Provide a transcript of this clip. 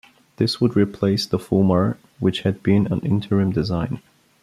This would replace the Fulmar which had been an interim design.